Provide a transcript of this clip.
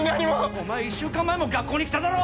お前１週間前も学校に来ただろ！